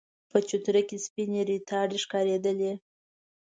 په چوتره کې سپينې ريتاړې ښکارېدلې.